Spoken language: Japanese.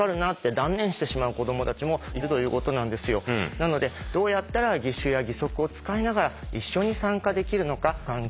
なのでどうやったら義手や義足を使いながら一緒に参加できるのか環境を整えていきたいですよね。